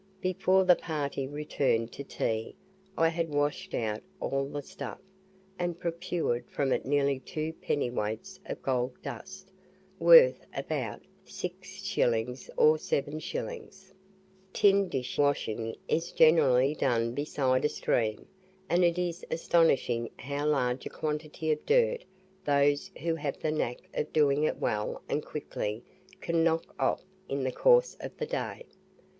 Before the party returned to tea I had washed out all the stuff, and procured from it nearly two pennyweights of gold dust, worth about 6s. or 7s. Tin dish washing is generally done beside a stream, and it is astonishing how large a quantity of "dirt" those who have the knack of doing it well and quickly can knock off in the course of the day.